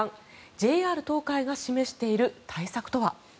ＪＲ東海が示している対策とは。